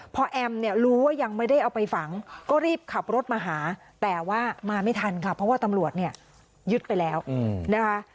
พอแอมเนี่ยรู้ว่ายังไม่ได้เอาไปฝังก็รีบขับรถมาหาแต่ว่ามาไม่ทันค่ะเพราะว่าตำรวจเนี่ยยึดไปแล้วนะคะ